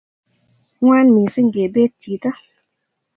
ng'wan mising kebeet chito